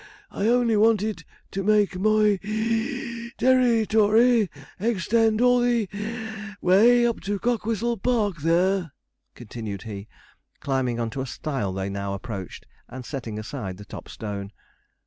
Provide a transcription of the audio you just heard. I only wanted that to make moy (wheeze) ter ri to ry extend all the way up to Cockwhistle Park there,' continued he, climbing on to a stile they now approached, and setting aside the top stone.